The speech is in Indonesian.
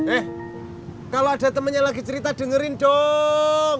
eh kalau ada temennya lagi cerita dengerin dong